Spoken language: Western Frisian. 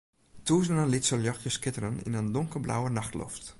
Tûzenen lytse ljochtsjes skitteren yn in donkerblauwe nachtloft.